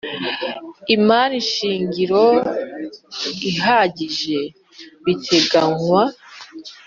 Imari shingiro ihagije biteganywa